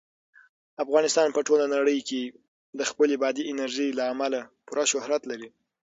افغانستان په ټوله نړۍ کې د خپلې بادي انرژي له امله پوره شهرت لري.